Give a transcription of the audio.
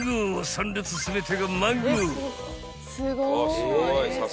３列全てがマンゴー！］